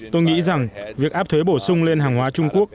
tôi nghĩ rằng việc áp thuế bổ sung lên hàng hóa trung quốc